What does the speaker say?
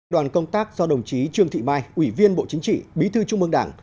đoàn công tác do đồng chí trương thị mai ủy viên bộ chính trị bí thư trung mương đảng